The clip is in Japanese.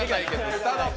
スタート。